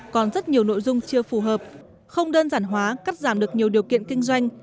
còn rất nhiều nội dung chưa phù hợp không đơn giản hóa cắt giảm được nhiều điều kiện kinh doanh